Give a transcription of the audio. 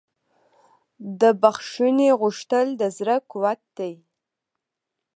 د بښنې غوښتل د زړه قوت دی.